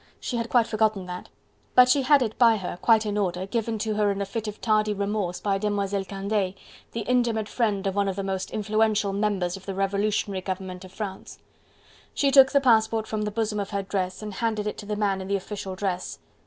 She had quite forgotten that! But she had it by her, quite in order, given to her in a fit of tardy remorse by Demoiselle Candeille, the intimate friend of one of the most influential members of the Revolutionary Government of France. She took the passport from the bosom of her dress and handed it to the man in the official dress.